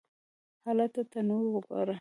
_هله! تنور وګوره!